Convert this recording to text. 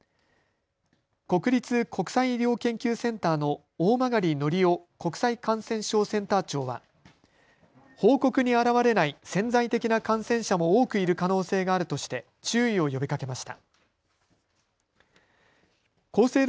国立国際医療研究センターの大曲貴夫国際感染症センター長は報告に表れない潜在的な感染者も多くいる可能性があるとして注意を呼びかけました。